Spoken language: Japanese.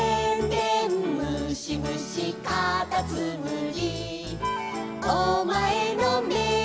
「でんでんむしむしかたつむり」